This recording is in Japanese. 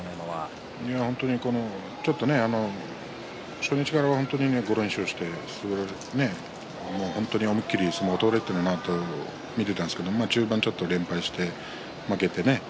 初日から５連勝して本当に思い切り相撲が取れているなと見ていたんですが中盤ちょっと連敗して負けてね